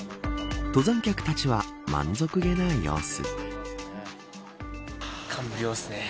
登山客たちは満足げな様子。